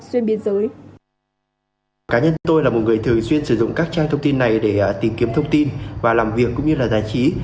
cả nhân tôi là một người thường xuyên sử dụng các trang thông tin này để tìm kiếm thông tin và làm việc cũng như là giải trí